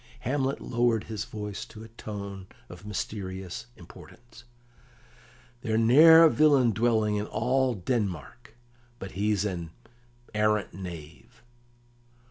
Hamlet lowered his voice to a tone of mysterious importance: "There's ne'er a villain dwelling in all Denmark but he's an arrant knave."